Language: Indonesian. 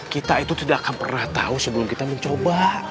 kita itu tidak akan pernah tahu sebelum kita mencoba